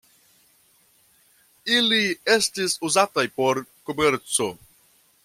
Ili estis uzataj por komerco.